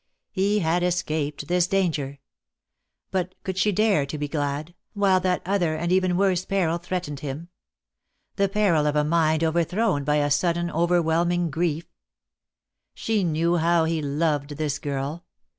He had escaped this danger; but could she dare to be glad, while that other and even worse peril threatened him? The peril of a mind overthrown by a sudden, overwhelming grief. She knew how he loved this girl.